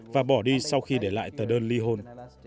và bỏ đi sau khi để lại tờ đơn